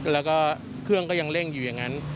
แล้วก็เครื่องก็ยังเร่งอยู่อย่างนั้น